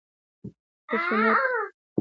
خشونت